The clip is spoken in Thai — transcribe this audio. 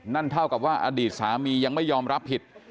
นั่นเท่ากับว่าอดีตสามียังไม่ยอมรับผิด